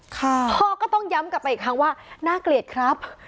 พ่อก็ต้องย้ำกลับไปอีกครั้งว่าน่าเกลียดครับ